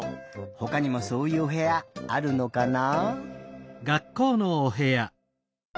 ほかにもそういうおへやあるのかな？